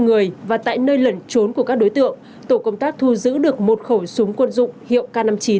người và tại nơi lẩn trốn của các đối tượng tổ công tác thu giữ được một khẩu súng quân dụng hiệu k năm mươi chín